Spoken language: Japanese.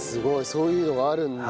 そういうのがあるんだ。